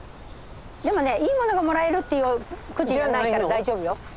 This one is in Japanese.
でもねいいものがもらえるっていうくじじゃないから大丈夫よ。